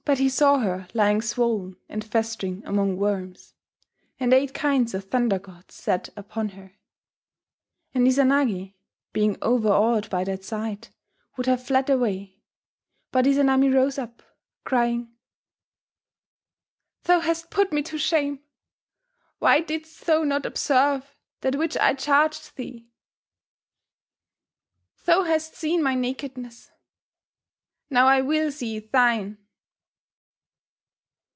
But he saw her lying swollen and festering among worms; and eight kinds of Thunder Gods sat upon her .... And Izanagi, being overawed by that sight, would have fled away; but Izanami rose up, crying: "Thou hast put me to shame! Why didst thou not observe that which I charged thee?... Thou hast seen my nakedness; now I will see thine!"